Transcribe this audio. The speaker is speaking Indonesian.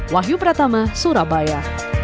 wahyu pratama surabaya